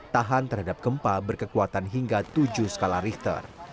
tahan terhadap gempa berkekuatan hingga tujuh skala richter